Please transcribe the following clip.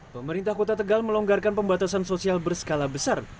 pemerintah kota tegal melonggarkan pembatasan sosial berskala besar